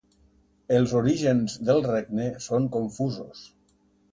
Els orígens del regne són confusos.